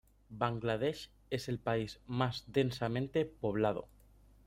Bangladesh es el país más densamente poblado.